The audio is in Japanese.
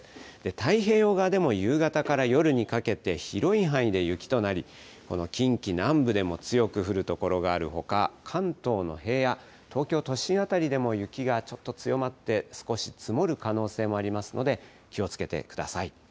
太平洋側でも夕方から夜にかけて広い範囲で雪となり、この近畿南部でも強く降る所があるほか、関東の平野、東京都心辺りでも雪がちょっと強まって、少し積もる可能性もありますので、気をつけてください。